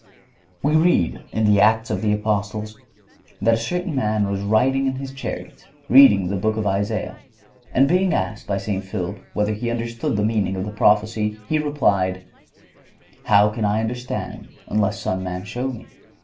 (147) We read in the Acts of the Apostles that a certain man was riding in his chariot, reading the Book of Isaiah, and being asked by St. Philip whether he understood the meaning of the prophecy he replied: "How can I understand unless some man show me?"